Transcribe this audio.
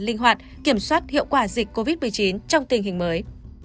linh hoạt kiểm soát hiệu quả dịch covid một mươi chín trong tình hình mới